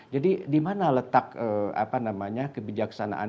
jadi dimana letak kebijaksanaan